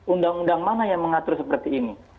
undang undang mana yang mengatur seperti ini